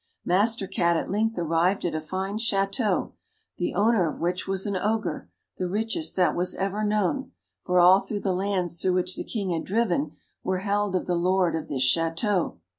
Master Cat at length arrived at a fine Château, the owner of which was an Ogre, the richest that was ever known, for all the lands through which the King had driven were held of the Lord of this Château.